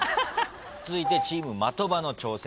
続いてチーム的場の挑戦です。